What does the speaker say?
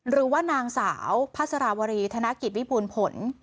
หรือว่านางสาวพัสราวรีธนกิจวิบูรณ์ผล